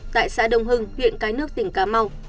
tại xã đồng hưng huyện cái nước tỉnh cá mau